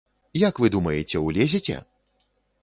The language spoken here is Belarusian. Як вы думаеце, улезеце?